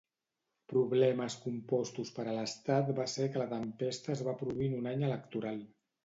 Problemes compostos per a l'estat va ser que la tempesta es va produir en un any electoral.